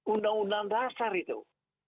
undang undang dasar itu